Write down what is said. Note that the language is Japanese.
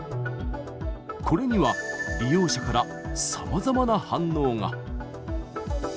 これには、利用者からさまざまな反応が。